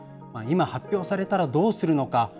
今発表されたらどうするのか。